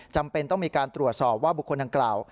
จำเป็นต้องมีการตรวจสอบว่าบุคคลดังกล่าว